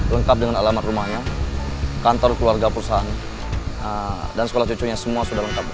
lengkap dengan alamat rumahnya kantor keluarga perusahaan dan sekolah cucunya semua sudah lengkap